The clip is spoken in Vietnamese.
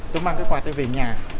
tôi mang cái quạt ấy về nhà